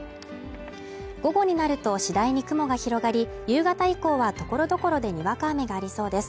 午後になると次第に雲が広がり、夕方以降は所々でにわか雨がありそうです。